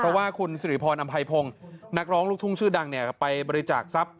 เพราะว่าคุณสิริพรอำไพพงศ์นักร้องลูกทุ่งชื่อดังไปบริจาคทรัพย